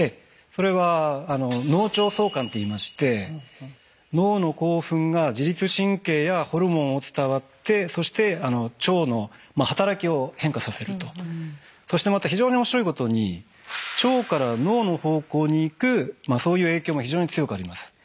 それは脳腸相関といいまして脳の興奮が自律神経やホルモンを伝わってそして腸の働きを変化させるとそしてまた非常に面白いことに腸から脳の方向に行くそういう影響も非常に強くあります。